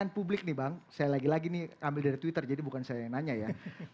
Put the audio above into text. dan publik nih bang saya lagi lagi nih ambil dari twitter jadi bukan saya yang nanya ya